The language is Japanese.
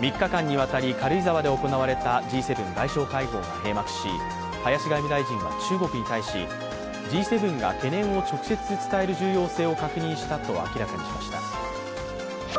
３日間に渡り軽井沢で行われたＧ７外相会合が閉幕し林外務大臣は中国に対し、Ｇ７が懸念を直接伝える重要性を確認したと明らかにしました。